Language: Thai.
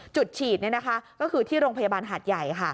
จุดฉีดก็คือที่โรงพยาบาลหาดใหญ่